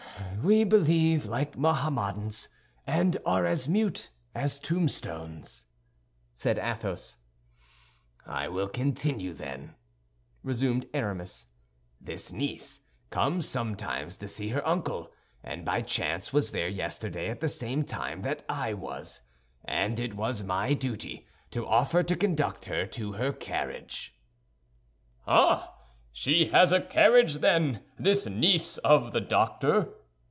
"We believe like Mohammedans, and are as mute as tombstones," said Athos. "I will continue, then," resumed Aramis. "This niece comes sometimes to see her uncle; and by chance was there yesterday at the same time that I was, and it was my duty to offer to conduct her to her carriage." "Ah! She has a carriage, then, this niece of the doctor?"